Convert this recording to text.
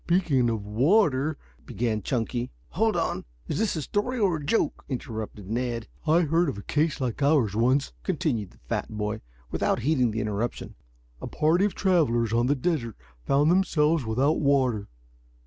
"Speaking of water " began Chunky. "Hold on; is this a story or a joke?" interrupted Ned. "I heard of a case like ours once," continued the fat boy, without heeding the interruption. "A party of travelers on the desert found themselves without water.